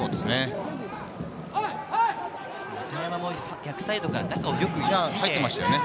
逆サイドから中をよく見ていましたよね。